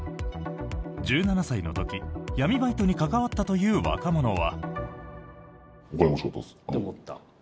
１７歳の時、闇バイトに関わったという若者は。